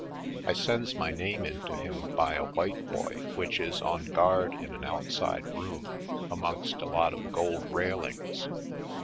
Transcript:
I sends my name in to him by a white boy which is on guard in an out side room amongst a lot of gold railings.